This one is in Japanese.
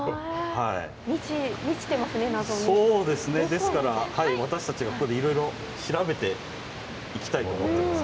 ですから私たちがここでいろいろ調べていきたいと思ってます。